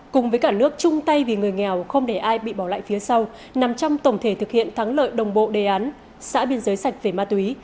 cùng với cả nước chung tay vì người nghèo không để ai bị bỏ lại phía sau nằm trong tổng thể thực hiện thắng lợi đồng bộ đề án xã biên giới sạch về ma túy